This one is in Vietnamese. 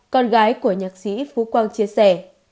con gái của nhạc sĩ phú quang chia sẻ